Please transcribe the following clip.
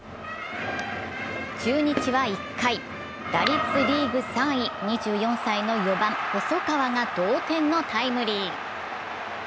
中日は１回、打率リーグ３位、２４歳の４番・細川が同点のタイムリー。